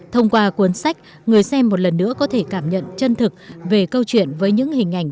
thông qua cuốn sách người xem một lần nữa có thể cảm nhận chân thực về câu chuyện với những hình ảnh